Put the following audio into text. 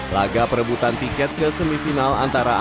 laga perebutan tiket ke semifinal antara